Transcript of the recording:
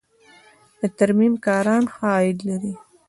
د ترمیم کاران ښه عاید لري